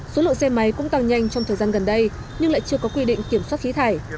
số lượng xe máy cũng tăng nhanh trong thời gian gần đây nhưng lại chưa có quy định kiểm soát khí thải